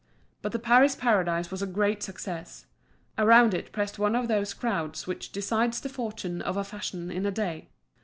But the Paris Paradise was a great success; around it pressed one of those crowds which decides the fortune of a fashion in a day.